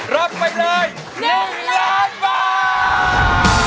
ล้อมได้ให้ร้าน